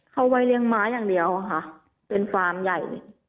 เขาไว้เลี้ยงม้าอย่างเดียวค่ะเป็นฟาร์มใหญ่